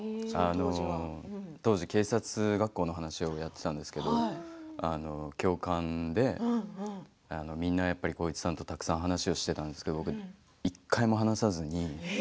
当時、警察学校の話をやってたんですけど教官で、みんな、やっぱり浩市さんとたくさん話をしてたんですけど僕、一回も話さずに。